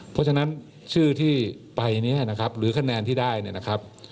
เพราะฉะนั้นชื่อที่ไปเนี่ยนะครับหรือคะแนนที่ได้เนี่ยนะครับ